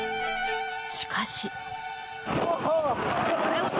しかし。